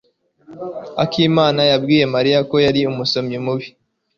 Akimana yabwiye Mariya ko yari umusomyi mubi.